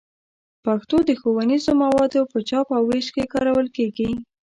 پښتو د ښوونیزو موادو په چاپ او ویش کې کارول کېږي.